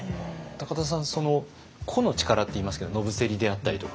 田さんその個の力っていいますけど野伏であったりとか。